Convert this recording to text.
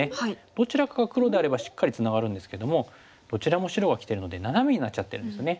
どちらかが黒であればしっかりツナがるんですけどもどちらも白がきてるのでナナメになっちゃってるんですよね。